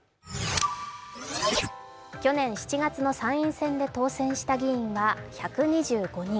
去年７月の参院選で当選した議員は１２５人。